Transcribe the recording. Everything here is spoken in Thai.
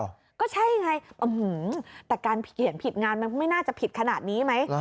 แมมมมก็ใช่ไงแต่เห็นผิดงานมันไม่น่าจะผิดขนาดนี้มั้ย